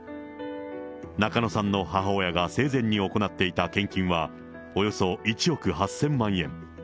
中野さんの母親が生前に行っていた献金は、およそ１億８０００万円。